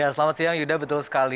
selamat siang yuda betul sekali